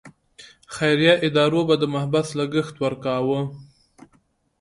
خیریه ادارو به د محبس لګښت ورکاوه.